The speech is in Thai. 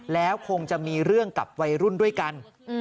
แล้วคงจะมีเรื่องกับวัยรุ่นด้วยกัน